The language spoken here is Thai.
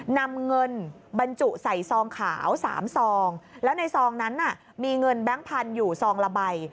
นำเงินบรรจุใส่ซองขาว๓ซองแล้วในซองนั้นมีเงินแบงค์พันธุ์อยู่ซองละใบ